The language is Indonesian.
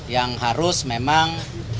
yang harus memang